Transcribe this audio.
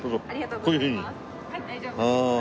はい大丈夫です。